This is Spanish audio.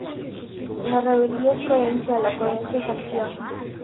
La rebeldía es coherencia, la coherencia es acción.